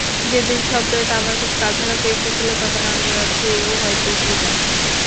যেদিন শব্দটা আমার খুব কাছাকাছি এসেছিল, তখনো আমি ভাবছি, এ–ও হয়তো জীবন।